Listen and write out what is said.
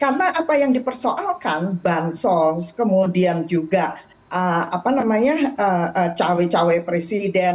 karena apa yang dipersoalkan bansos kemudian juga apa namanya cawe cawe presiden